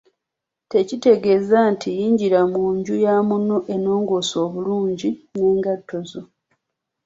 Tekitegeeza nti yingira mu nju ya munno ennongoose obulungi n’engatto zo.